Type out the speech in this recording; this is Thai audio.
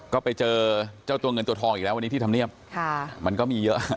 ก็ไปเจอเจ้าตัวเงินตัวทองอีกแล้ววันนี้ที่ทำเนียบมันก็มีเยอะ